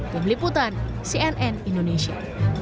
kemeliputan cnn indonesia